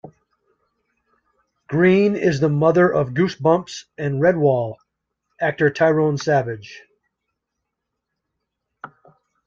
Green is the mother of "Goosebumps" and "Redwall" actor Tyrone Savage.